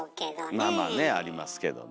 まあまあねありますけどね。